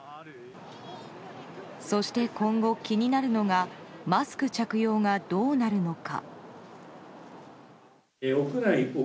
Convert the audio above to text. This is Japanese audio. そして、今後気になるのがマスク着用がどうなるのか。